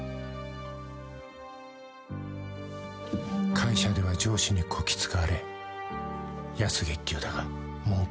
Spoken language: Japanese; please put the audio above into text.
［会社では上司にこき使われ安月給だが文句も言えず］